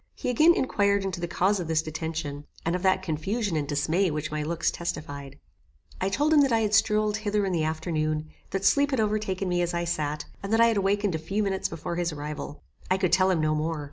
He again inquired into the cause of this detention, and of that confusion and dismay which my looks testified. I told him that I had strolled hither in the afternoon, that sleep had overtaken me as I sat, and that I had awakened a few minutes before his arrival. I could tell him no more.